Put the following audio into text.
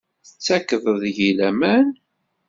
Tettakeḍ deg-i laman?